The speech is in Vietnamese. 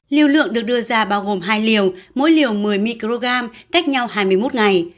liều lượng được đưa ra bao gồm hai liều mỗi liều một mươi microgram cách nhau hai mươi một ngày